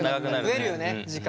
増えるよね時間。